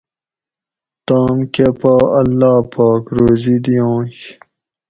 تام کۤہ پا اللّہ پاک روزی دِیانش